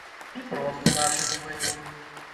І продкі нашы не былі.